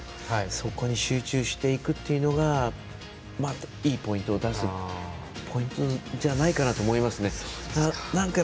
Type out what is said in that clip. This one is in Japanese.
そこに集中していくっていうのがいいポイントを出すポイントじゃないかなと思います。